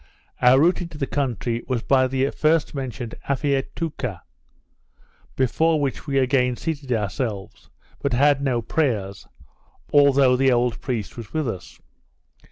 Our route into the country, was by the first mentioned Afiatouca, before which we again seated ourselves, but had no prayers, although the old priest was with us.